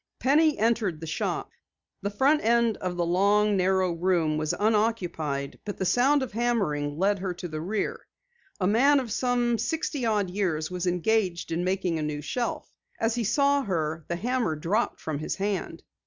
Penny entered the shop. The front end of the long, narrow room was unoccupied, but the sound of hammering led her to the rear. A man of some sixty odd years was engaged in making a new shelf. As he saw her the hammer dropped from his hand.